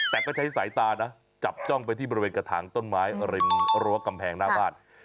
แต่ก็ใช้สายตานะจับจ้องไปที่บริเวณกระถางต้นไม้ริมรั้วกำแพงหน้าบ้าน